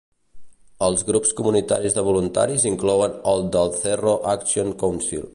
Els grups comunitaris de voluntaris inclouen el Del Cerro Action Council.